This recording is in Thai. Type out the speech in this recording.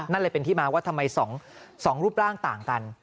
นั่นเลยเป็นที่มาว่าทำไม๒รูปร่างต่างกัน